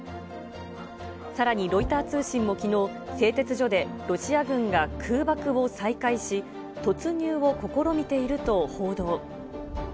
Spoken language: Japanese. さらにロイター通信もきのう、製鉄所でロシア軍が空爆を再開し、突入を試みていると報道。